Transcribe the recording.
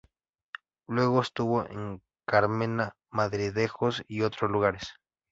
Luego estuvo en Carmena, Madridejos y otros lugares.